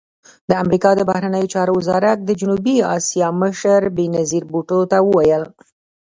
د امریکا د بهرنیو چارو وزارت د جنوبي اسیا مشر بېنظیر بوټو ته وویل